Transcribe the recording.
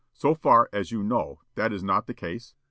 So far as you know that is not the case?"